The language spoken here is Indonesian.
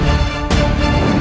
ketika kanda menang kanda menang